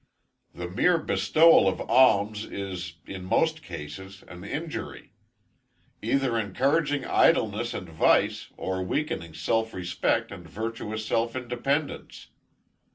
The mere bestowal of alms is, in most cases an injury; either encouraging idleness and vice, or weakening self respect and virtuous self dependence.